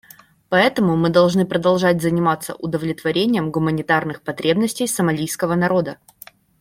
Поэтому мы должны продолжать заниматься удовлетворением гуманитарных потребностей сомалийского народа.